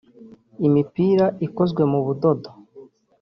imipira ikozwe mu budodo